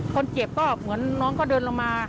คนเจ็บก็เหมือนน้องก็เดินลงมา